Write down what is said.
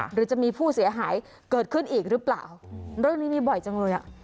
หรือจะมีผู้เสียหายเกิดขึ้นอีกหรือเปล่าเรื่องนี้มีบ่อยจังเลยอ่ะ